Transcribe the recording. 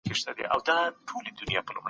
تخنیکي وسایل د کار سرعت زیاتوي.